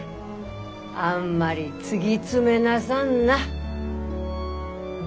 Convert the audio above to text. あんまり突ぎ詰めなさんな。